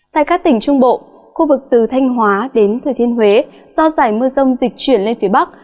tại các tỉnh trung bộ khu vực từ thanh hóa đến thừa thiên huế do giải mưa rông dịch chuyển lên phía bắc